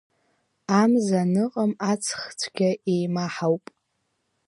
Амза аныҟам, аҵх цәгьа еимаҳауп…